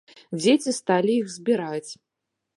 Дзеці сталі іх збіраць.